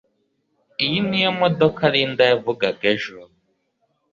Iyi niyo modoka Linda yavugaga ejo